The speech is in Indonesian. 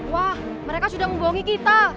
wah mereka sudah membohongi kita